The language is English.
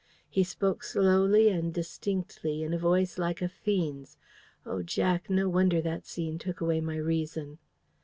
He spoke slowly and distinctly, in a voice like a fiend's. Oh, Jack, no wonder that scene took away my reason!"